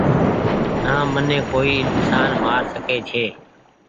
نا مني ڪوئي انسان مآر سکي ڇي